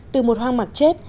từ một hoang mạc chết